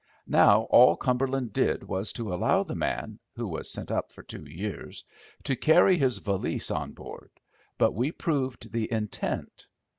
Now all Cumberland did was to allow the man—he was sent up for two years—to carry his valise on board, but we proved the intent.